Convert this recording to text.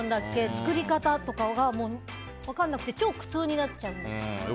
作り方とかが分からなくて超苦痛になっちゃうんです。